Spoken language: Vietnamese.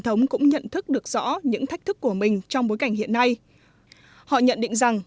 thống cũng nhận thức được rõ những thách thức của mình trong bối cảnh hiện nay họ nhận định rằng